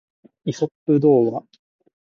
イソップ童話